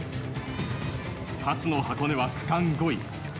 初の箱根は区間５位。